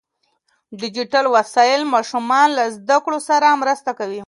ډیجیټل وسایل ماشومان له زده کړو سره مرسته کوي.